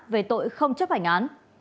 về tội không chấp hành án